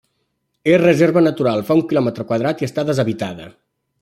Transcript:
És reserva natural, fa un quilòmetre quadrat i està deshabitada.